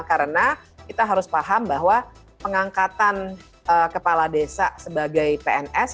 karena kita harus paham bahwa pengangkatan kepala desa sebagai pns